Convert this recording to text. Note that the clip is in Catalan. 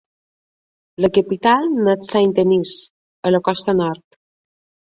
La capital n'és Saint-Denis, a la costa nord.